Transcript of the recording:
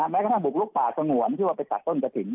แม้กระทั่งบุกลุกป่าสงวนที่ว่าไปตัดต้นกระถิ่น